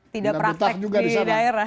tidak praktek di daerah